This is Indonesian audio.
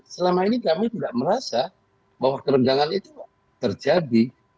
selama ini kami tidak merasa bahwa kerenjangan itu terjadi